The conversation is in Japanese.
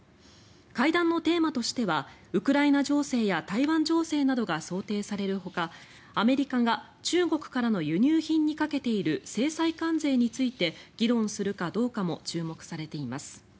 会談のテーマとしてはウクライナ情勢や台湾情勢などが想定されるほかアメリカが中国からの輸入品にかけている制裁関税について議論するかどうかも注目されています。